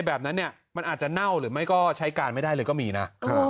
แบบนั้นเนี่ยมันอาจจะเน่าหรือไม่ก็ใช้การไม่ได้เลยก็มีนะ